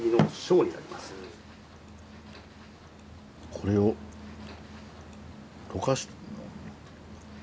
これを溶かして。